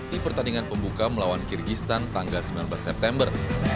di pertandingan pembuka melawan kyrgyzstan tanggal sembilan belas september